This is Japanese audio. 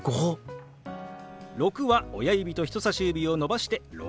「６」は親指と人さし指を伸ばして「６」。